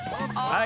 ああ！